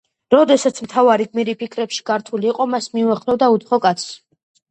როდესაც მთავარი გმირი ფიქრებში გართული იყო მას მიუახლოვდა უცხო კაცი.